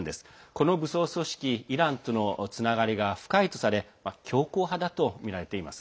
この武装組織イランとのつながりが深いとされ強硬派だとみられています。